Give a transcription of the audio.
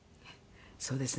そうですね